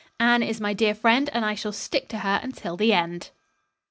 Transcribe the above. Anne is my dear friend, and I shall stick to her until the end."